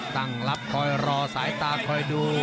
ตั้งรับคอยรอสายตาคอยดู